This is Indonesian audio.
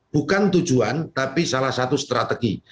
bukan tujuan tapi salah satu strategi